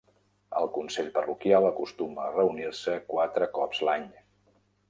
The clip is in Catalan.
El consell parroquial acostuma a reunir-se quatre cops l'any.